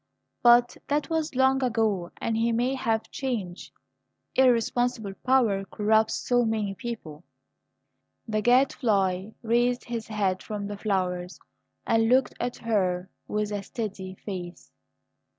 But that was long ago, and he may have changed. Irresponsible power corrupts so many people." The Gadfly raised his head from the flowers, and looked at her with a steady face.